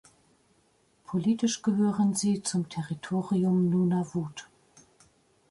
Politisch gehören sie zum Territorium Nunavut.